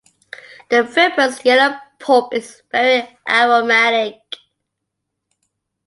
The fibrous yellow pulp is very aromatic.